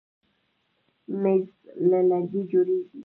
مېز له لرګي جوړېږي.